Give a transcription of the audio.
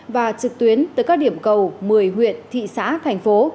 và trực tuyến tới các điểm cầu mười huyện thị xã thành phố